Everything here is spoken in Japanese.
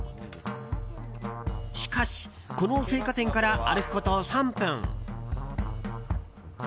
しかし、この青果店から歩くこと３分。